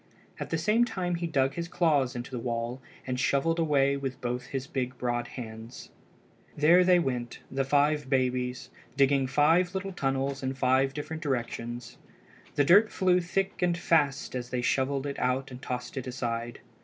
At the same time he dug his claws into the wall and shovelled away with both his big broad hands. There they went—the five babies—digging five little tunnels in five different directions. The dirt flew thick and fast as they shovelled it out and tossed it aside.